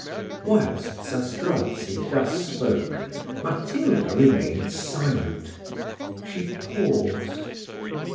Whilst Zastrozzi thus spoke, Matilda remained silent, she paused.